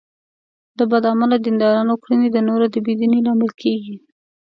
د بد عمله دیندارانو کړنې د نورو د بې دینۍ لامل کېږي.